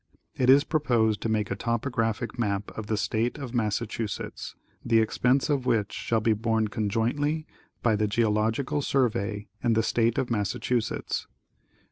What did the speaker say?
It is proposed to make a topographic map of the State of Massachusetts, the expense of which shall be borne conjointly by the Geological Survey and the State of Massachusetts.